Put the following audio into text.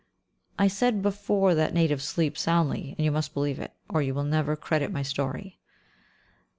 I said before that natives sleep soundly, and you must believe it, or you will never credit my story.